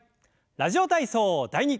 「ラジオ体操第２」。